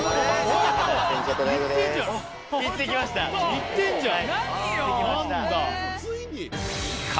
行ってんじゃん！